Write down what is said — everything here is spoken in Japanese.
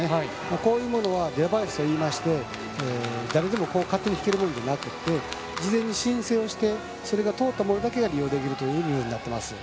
こういうものはデバイスといいまして誰でも勝手に敷けるものではなくて事前に申請してそれが通ったものだけが利用できるというルールになっています。